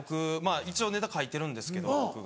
一応ネタ書いてるんですけど僕が。